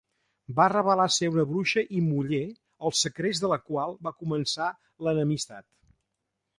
Va revelar ser una bruixa i muller el segrest de la qual va començar l'enemistat.